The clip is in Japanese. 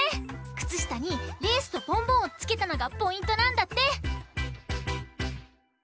くつしたにレースとボンボンをつけたのがポイントなんだって！